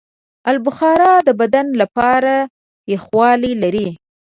آلوبخارا د بدن لپاره یخوالی لري.